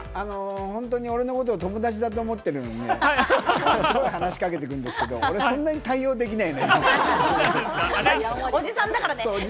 本当に俺のこと友達だと思ってるのね、すごい話しかけてくるんですけれど、俺そんなに対応でおじさんだからね。